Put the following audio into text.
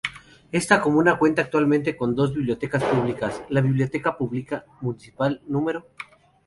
Esta comuna cuenta actualmente con dos bibliotecas públicas, la Biblioteca Pública Municipal N°.